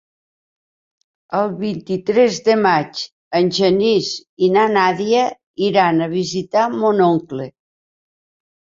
El vint-i-tres de maig en Genís i na Nàdia iran a visitar mon oncle.